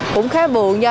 cũng khá buồn nha